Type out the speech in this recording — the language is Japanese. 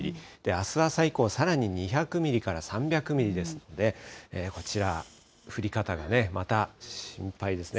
あす朝以降、さらに２００ミリから３００ミリですので、こちら、降り方がまた心配ですね。